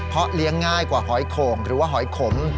เพราะเลี้ยงง่ายกว่าหอยโข่งหรือว่าหอยขม